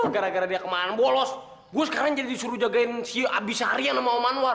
gara gara dia kemana bolos gue sekarang jadi suruh jagain si abis arya nama manwar